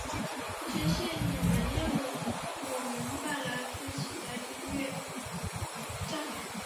谢谢你们让我们办了自己的音乐祭！